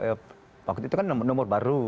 waktu itu kan nomor baru